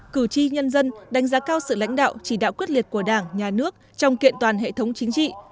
cử tri nhân dân đánh giá cao sự lãnh đạo chỉ đạo quyết liệt của đảng nhà nước trong kiện toàn hệ thống chính trị